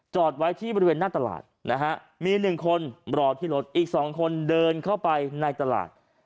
จอดไว้ที่บริเวณหน้าตลาดนะฮะมีหนึ่งคนรอที่รถอีก๒คนเดินเข้าไปในตลาด